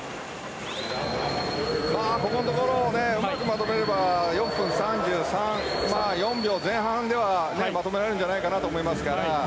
ここのところをねうまくまとめれば４分３３３４秒前半ではまとめられるんじゃないかなと思いますから。